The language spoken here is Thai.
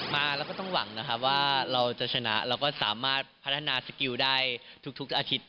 เราก็ต้องหวังนะครับว่าเราจะชนะเราก็สามารถพัฒนาสกิลได้ทุกอาทิตย